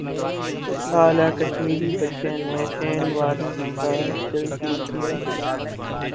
سالہ کشمیری بچے نے شین وارن کا دل جیت لیا